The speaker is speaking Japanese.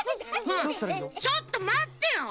ちょっとまってよ！